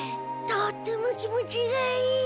とっても気持ちがいい。